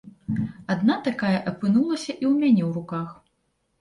Адна такая апынулася і ў мяне ў руках.